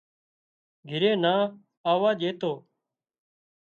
گھرِي نا آووا ڄيتو